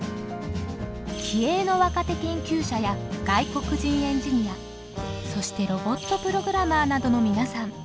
気鋭の若手研究者や外国人エンジニアそしてロボットプログラマーなどの皆さん。